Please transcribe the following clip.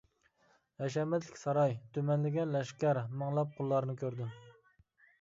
ھەشەمەتلىك ساراي تۈمەنلىگەن لەشكەر مىڭلاپ قۇللارنى كۆردۈم.